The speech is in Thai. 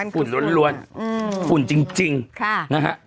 หุ่นร้อนหุ่นจริงค่ะ